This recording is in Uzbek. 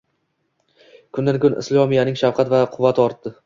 Kundan kun islomiyatning shavkat va quvvati ortdi